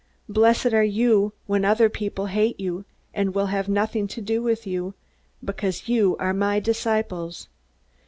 "Blessed are you, when other people hate you, and will have nothing to do with you, because you are my disciples.